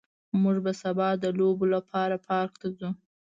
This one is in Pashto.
موږ به سبا د لوبو لپاره پارک ته ځو